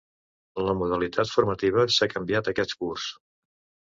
La modalitat formativa s'ha canviat aquest curs.